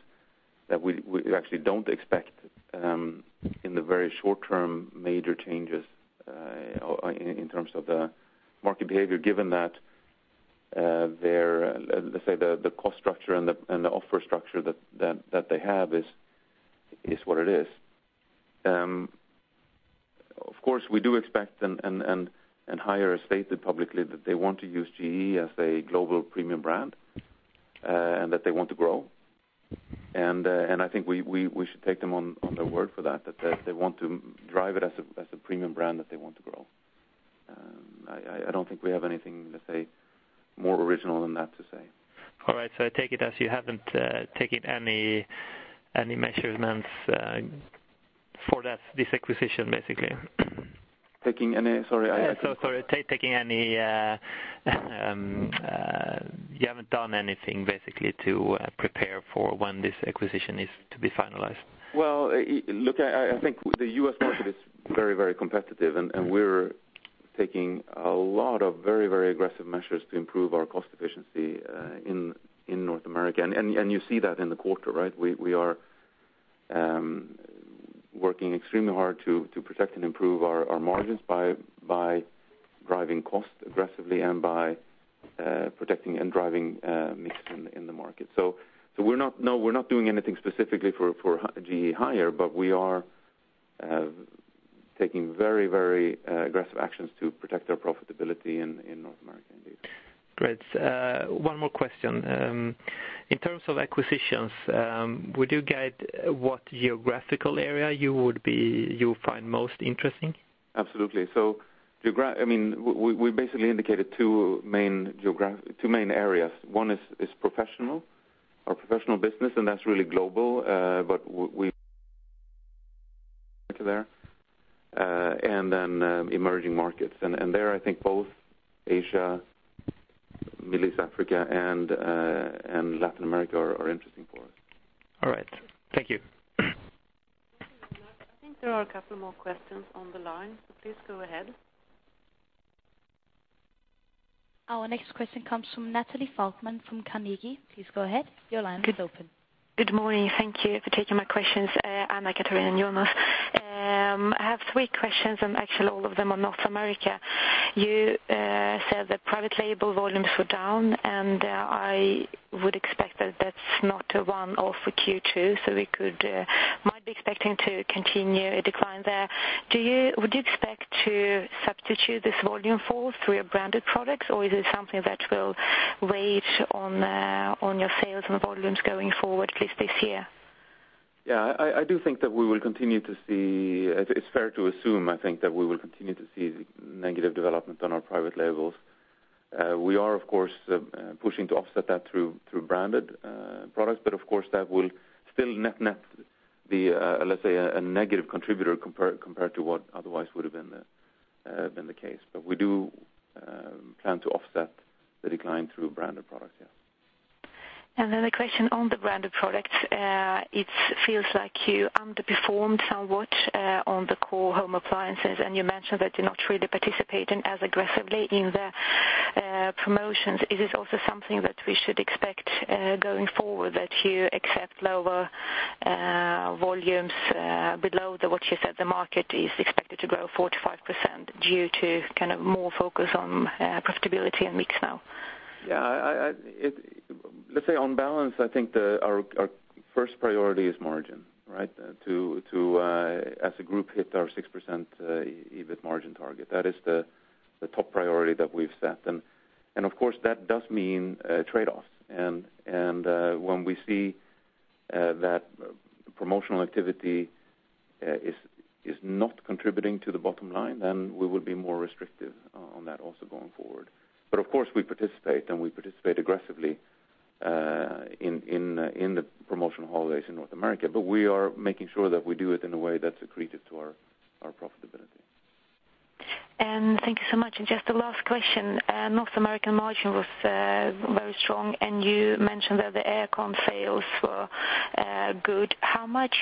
that we actually don't expect in the very short term, major changes in terms of the market behavior, given that their, let's say, the cost structure and the offer structure that they have is what it is. Of course, we do expect and Haier stated publicly that they want to use GE as a global premium brand and that they want to grow. I think we should take them on their word for that they want to drive it as a premium brand that they want to grow. I don't think we have anything, let's say, more original than that to say. All right. I take it as you haven't, taken any measurements, for that, this acquisition, basically? Taking any? Sorry. Yeah. Sorry, taking any, you haven't done anything basically to prepare for when this acquisition is to be finalized? Well, look, I think the U.S. market is very, very competitive, and we're taking a lot of very, very aggressive measures to improve our cost efficiency in North America. You see that in the quarter, right? We are working extremely hard to protect and improve our margins by driving costs aggressively and by protecting and driving mix in the market. No, we're not doing anything specifically for GE Haier, but we are taking very, very aggressive actions to protect our profitability in North America, indeed. Great. One more question. In terms of acquisitions, would you guide what geographical area you find most interesting? Absolutely. I mean, we basically indicated two main areas. One is professional or professional business, and that's really global. Emerging markets. There, I think both Asia, Middle East, Africa, and Latin America are interesting for us. All right. Thank you. I think there are a couple more questions on the line. Please go ahead. Our next question comes from Natalie Falkman from Carnegie. Please go ahead. Your line is open. Good morning. Thank you for taking my questions. I'm Caterina Hein. I have three questions. Actually, all of them are North America. You said the private label volumes were down. I would expect that that's not a one-off for Q2, so we might be expecting to continue a decline there. Would you expect to substitute this volume fall through your branded products, or is it something that will weigh on your sales and volumes going forward, at least this year? Yeah, I do think that we will continue to see. It's fair to assume, I think, that we will continue to see negative development on our private labels. We are, of course, pushing to offset that through branded products, but of course, that will still net the, let's say, a negative contributor compared to what otherwise would have been the case. We do, plan to offset the decline through branded products, yeah. Then a question on the branded products. It feels like you underperformed somewhat on the core home appliances, and you mentioned that you're not really participating as aggressively in the promotions. Is this also something that we should expect going forward, that you accept lower volumes below the what you said the market is expected to grow 4%-5% due to kind of more focus on profitability and mix now? Yeah, I, let's say on balance, I think our first priority is margin, right? To, as a group, hit our 6% EBIT margin target. That is the top priority that we've set. Of course, that does mean trade-offs. When we see that promotional activity is not contributing to the bottom line, then we will be more restrictive on that also going forward. Of course, we participate, and we participate aggressively in the promotional holidays in North America. We are making sure that we do it in a way that's accretive to our profitability. Thank you so much. Just a last question. North American margin was very strong, and you mentioned that the air con sales were good. How much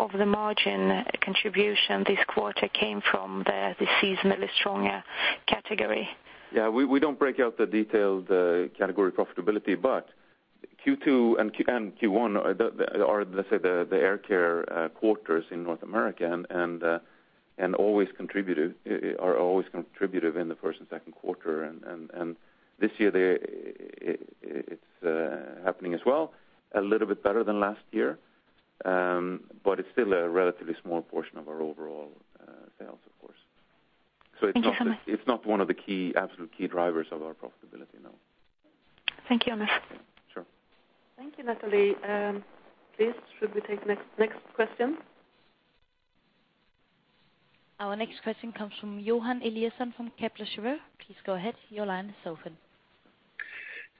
of the margin contribution this quarter came from the seasonally stronger category? We don't break out the detailed category profitability. Q2 and Q1 are the air care quarters in North America and always contributive in the first and second quarter. This year, it's happening as well, a little bit better than last year. It's still a relatively small portion of our overall sales, of course. Thank you, Jonas. It's not one of the key, absolute key drivers of our profitability, no. Thank you, Jonas. Sure. Thank you, Natalie. Please, should we take next question? Our next question comes from Johan Eliason from Kepler Cheuvreux. Please go ahead. Your line is open.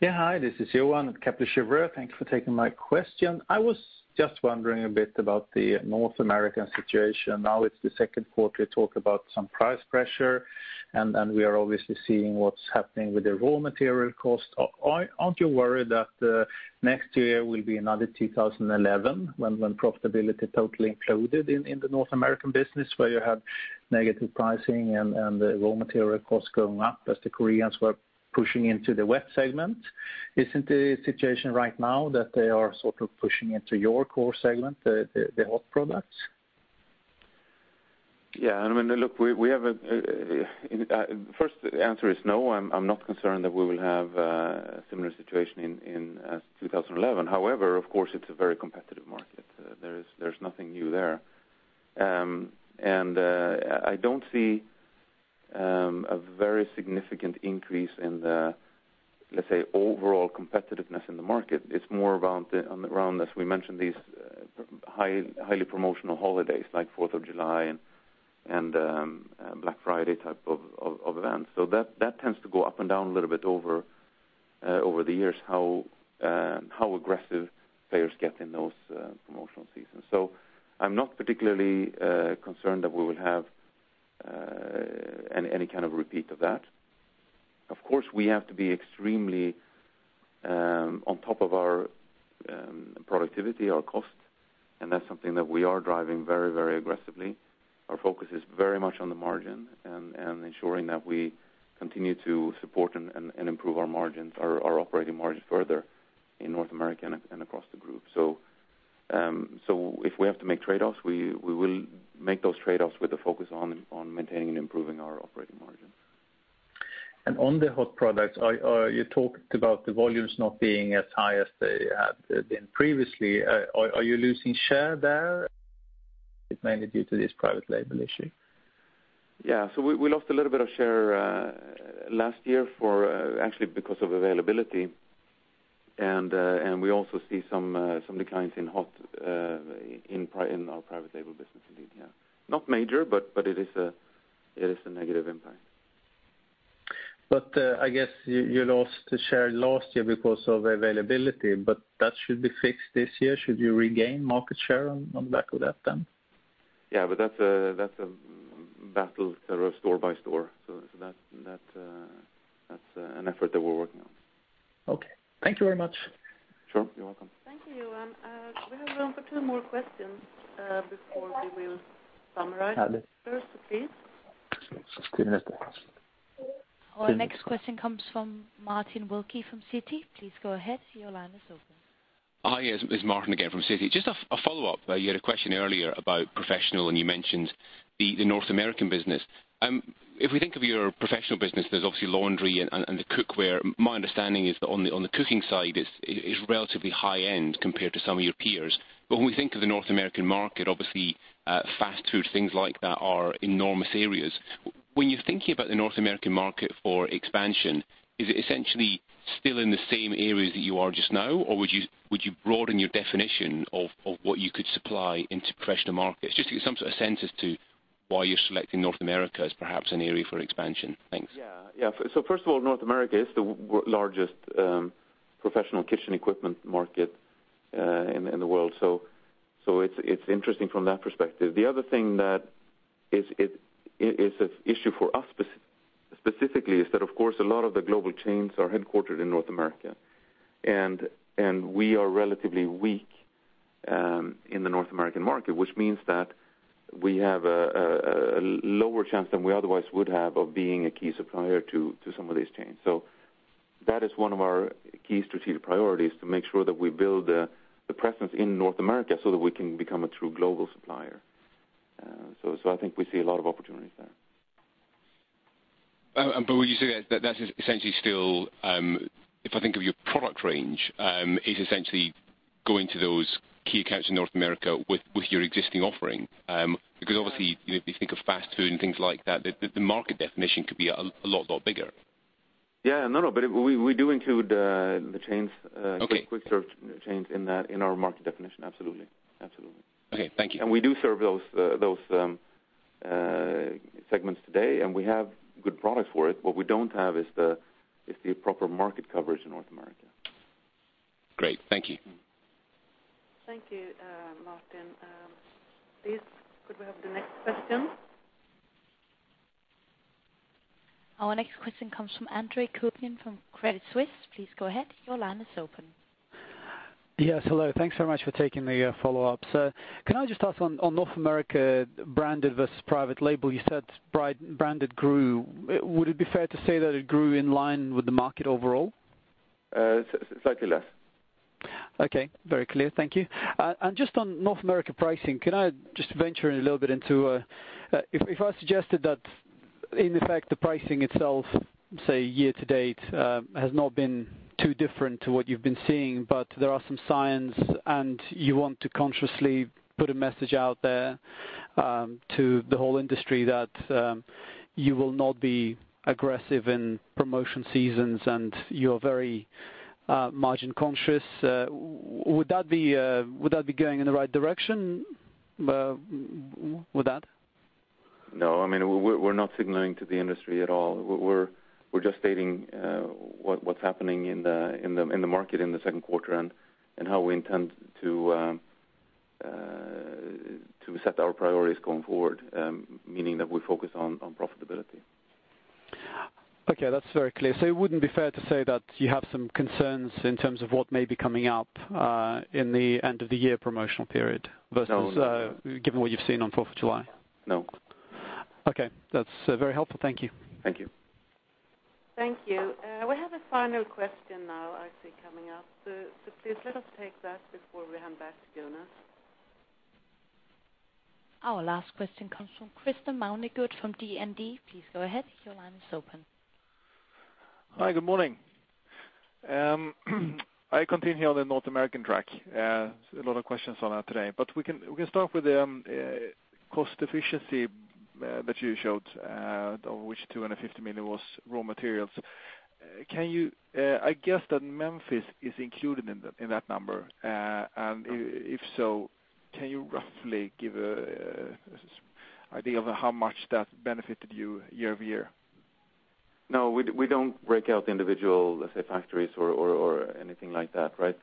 Yeah, hi, this is Johan at Kepler Cheuvreux. Thank you for taking my question. I was just wondering a bit about the North American situation. Now, it's the second quarter, you talk about some price pressure, and we are obviously seeing what's happening with the raw material cost. Aren't you worried that next year will be another 2011, when profitability totally imploded in the North American business, where you had negative pricing and the raw material costs going up as the Koreans were pushing into the wet segment? Isn't the situation right now that they are sort of pushing into your core segment, the hot products? I mean, look, we have a. First, the answer is no. I'm not concerned that we will have a similar situation in 2011. Of course, it's a very competitive. There is nothing new there. I don't see a very significant increase in the, let's say, overall competitiveness in the market. It's more around the around, as we mentioned, these highly promotional holidays, like Fourth of July and Black Friday type of events. That tends to go up and down a little bit over the years, how aggressive players get in those promotional seasons. I'm not particularly concerned that we will have any kind of repeat of that. Of course, we have to be extremely on top of our productivity, our cost, and that's something that we are driving very, very aggressively. Our focus is very much on the margin and ensuring that we continue to support and improve our margins, our operating margins further in North America and across the group. If we have to make trade-offs, we will make those trade-offs with a focus on maintaining and improving our operating margin. On the hot products, You talked about the volumes not being as high as they had been previously. Are you losing share there, it's mainly due to this private label issue? Yeah. We lost a little bit of share, last year for, actually because of availability. We also see some declines in hot, in our private label business indeed, yeah. Not major, but it is a negative impact. I guess you lost the share last year because of availability, but that should be fixed this year. Should you regain market share on back of that, then? That's a battle that are store by store. That's an effort that we're working on. Okay. Thank you very much. Sure. You're welcome. Thank you, Johan. We have time for two more questions, before we will summarize. First, please. Our next question comes from Martin Wilkie from Citi. Please go ahead. Your line is open. Hi, it's Martin again from Citi. Just a follow-up. You had a question earlier about professional, and you mentioned the North American business. If we think of your professional business, there's obviously laundry and, and the cookware. My understanding is that on the, on the cooking side, it's relatively high end compared to some of your peers. When we think of the North American market, obviously, fast food, things like that are enormous areas. When you're thinking about the North American market for expansion, is it essentially still in the same areas that you are just now? Would you, would you broaden your definition of what you could supply into professional markets? To get some sort of sense as to why you're selecting North America as perhaps an area for expansion. Thanks. Yeah. Yeah. First of all, North America is the largest professional kitchen equipment market in the world. It's interesting from that perspective. The other thing that is, it's an issue for us specifically is that, of course, a lot of the global chains are headquartered in North America. We are relatively weak in the North American market, which means that we have a lower chance than we otherwise would have of being a key supplier to some of these chains. That is one of our key strategic priorities, to make sure that we build the presence in North America so that we can become a true global supplier. I think we see a lot of opportunities there. Would you say that is essentially still, if I think of your product range, is essentially going to those key accounts in North America with your existing offering? Obviously, if you think of fast food and things like that, the market definition could be a lot bigger. Yeah. No, no, we do include the chains. Okay Quick service chains in that, in our market definition. Absolutely. Absolutely. Okay. Thank you. We do serve those segments today, and we have good products for it. What we don't have is the proper market coverage in North America. Great. Thank you. Thank you, Martin. Please, could we have the next question? Our next question comes from Andre Kukhnin from Credit Suisse. Please go ahead. Your line is open. Yes, hello. Thanks so much for taking the follow-up. Can I just ask on North America, branded versus private label, you said branded grew. Would it be fair to say that it grew in line with the market overall? Slightly less. Okay, very clear. Thank you. Just on North America pricing, can I just venture in a little bit into, if I suggested that in effect, the pricing itself, say year to date, has not been too different to what you've been seeing, but there are some signs, and you want to consciously put a message out there, to the whole industry that, you will not be aggressive in promotion seasons, and you're very margin conscious, would that be, would that be going in the right direction, with that? No, I mean, we're not signaling to the industry at all. We're just stating what's happening in the market in the second quarter and how we intend to set our priorities going forward, meaning that we focus on profitability. Okay, that's very clear. It wouldn't be fair to say that you have some concerns in terms of what may be coming up in the end of the year promotional period? No. Versus, given what you've seen on Fourth of July? No. Okay, that's very helpful. Thank you. Thank you. Thank you. We have a final question now, I see coming up. Please let us take that before we hand back to Jonas. Our last question comes from Christopher Mounsey-Theos from DNB. Please go ahead. Your line is open. Hi, good morning. I continue on the North American track. A lot of questions on that today. We can start with the cost efficiency that you showed of which 250 million was raw materials. Can you, I guess that Memphis is included in that number? If so, can you roughly give a idea of how much that benefited you year-over-year? No, we don't break out the individual, let's say, factories or anything like that, right?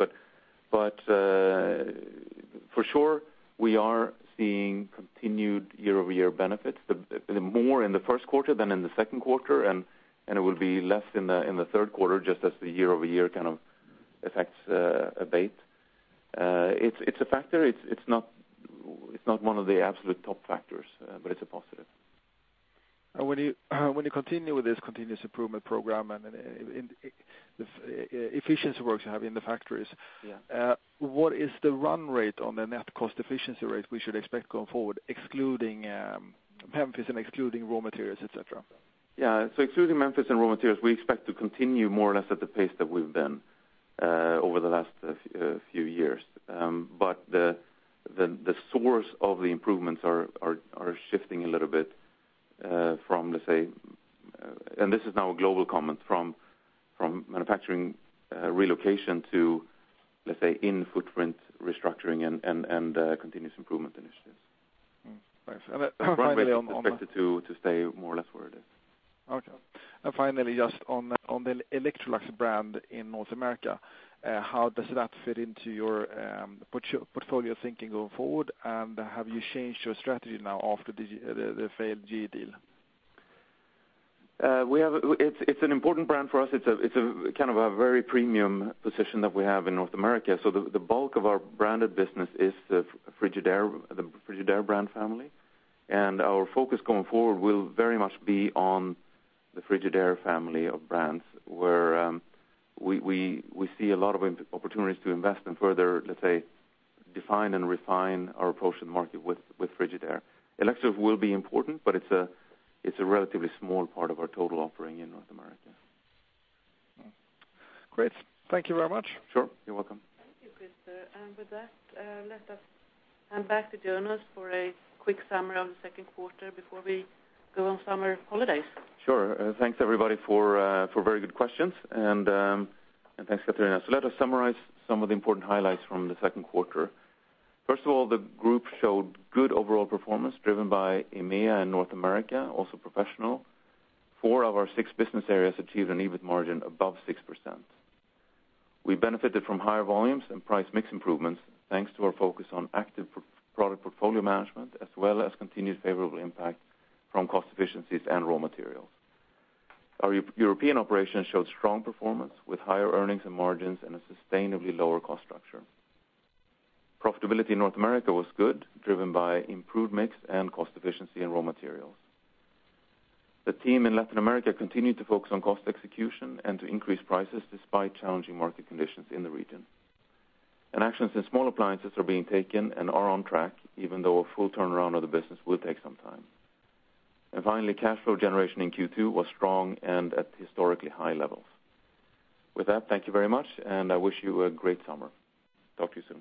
For sure, we are seeing continued year-over-year benefits, the more in the first quarter than in the second quarter, and it will be less in the third quarter, just as the year-over-year kind of effects abate. It's a factor. It's not one of the absolute top factors, but it's a positive. When you continue with this continuous improvement program and efficiency works you have in the factories. Yeah. What is the run rate on the net cost efficiency rate we should expect going forward, excluding Memphis and excluding raw materials, et cetera? Yeah. Excluding Memphis and raw materials, we expect to continue more or less at the pace that we've been over the last few years. The source of the improvements are shifting a little bit from, let's say, and this is now a global comment, from manufacturing relocation to, let's say, in-footprint restructuring and continuous improvement initiatives. Thanks. Expected to stay more or less where it is. Finally, just on the Electrolux brand in North America, how does that fit into your portfolio thinking going forward? Have you changed your strategy now after the failed GE deal? It's an important brand for us. It's a kind of a very premium position that we have in North America. The bulk of our branded business is the Frigidaire brand family. Our focus going forward will very much be on the Frigidaire family of brands, where we see a lot of opportunities to invest and further, let's say, define and refine our approach to the market with Frigidaire. Electrolux will be important, it's a relatively small part of our total offering in North America. Great. Thank you very much. Sure. You're welcome. Thank you, Christopher. With that, let us hand back to Jonas for a quick summary of the second quarter before we go on summer holidays. Sure. Thanks, everybody, for very good questions. Thanks, Catarina. Let us summarize some of the important highlights from the second quarter. First of all, the group showed good overall performance, driven by EMEA and North America, also professional. Four of our six business areas achieved an EBIT margin above 6%. We benefited from higher volumes and price mix improvements, thanks to our focus on active product portfolio management, as well as continued favorable impact from cost efficiencies and raw materials. Our European operations showed strong performance, with higher earnings and margins and a sustainably lower cost structure. Profitability in North America was good, driven by improved mix and cost efficiency in raw materials. The team in Latin America continued to focus on cost execution and to increase prices despite challenging market conditions in the region. Actions in small appliances are being taken and are on track, even though a full turnaround of the business will take some time. Finally, cash flow generation in Q2 was strong and at historically high levels. With that, thank you very much, and I wish you a great summer. Talk to you soon.